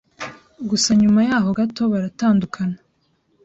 gusa nyuma yaho gato baratandukana